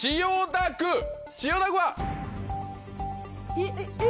千代田区は？えっ？